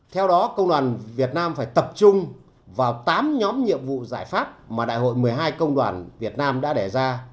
tổ chức công đoàn việt nam phải tập trung vào tám nhóm nhiệm vụ giải pháp mà đại hội một mươi hai công đoàn việt nam đã đẻ ra